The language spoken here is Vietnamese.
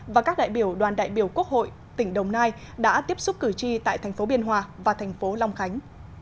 và các đại biểu đoàn đại biểu quốc hội tỉnh đồng nai đã tiếp xúc cử tri tại thành phố biên hòa và thành phố long khánh